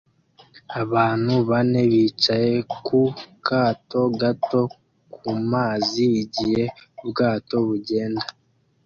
Abantu bane bicaye ku kato gato ku mazi igihe ubwato bugenda